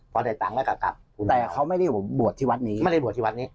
พอได้ตังค์แล้วกลับกลับแต่เขาไม่ได้บวชที่วัดนี้ไม่ได้บวชที่วัดนี้